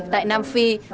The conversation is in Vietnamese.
tại nam phi